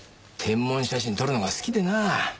天文写真撮るのが好きでなあ。